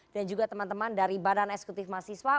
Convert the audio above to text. dan juga teman teman dari badan eksekutif mahasiswa